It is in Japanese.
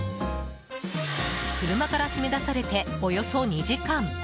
車から閉め出されておよそ２時間。